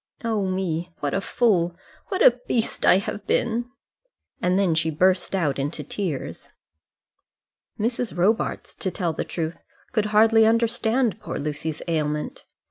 Oh, me! what a fool, what a beast I have been!" And then she burst out into tears. Mrs. Robarts, to tell the truth, could hardly understand poor Lucy's ailment.